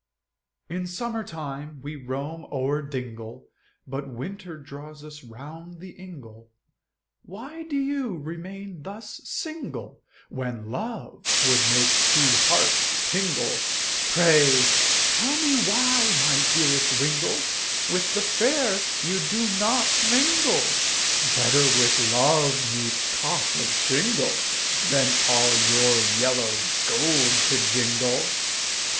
In summer time we roam o'er dingle, But winter draws us round the ingle, Why do you remain thus single, When love would make two hearts tingle, Pray, tell me why my dearest wingle, With the fair you do not mingle, Better with love 'neath cot of shingle, Than all your yellow gold to jingle.